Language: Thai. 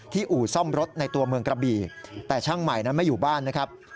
อู่ซ่อมรถในตัวเมืองกระบี่แต่ช่างใหม่นั้นไม่อยู่บ้านนะครับ